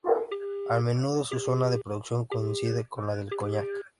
A menudo su zona de producción coincide con la del Coñac.